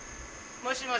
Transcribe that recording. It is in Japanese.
もしもし？